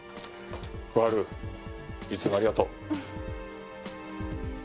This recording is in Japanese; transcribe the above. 小春いつもありがとう。